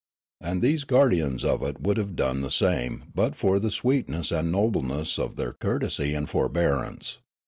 And these guardians of it would have done the same but for the sweetness and nobleness of their court esy and forbearance.